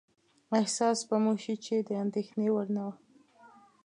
احساس به مو شي چې د اندېښنې وړ نه وه.